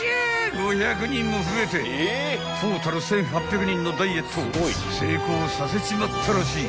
５００人も増えてトータル１，８００人のダイエットを成功させちまったらしい］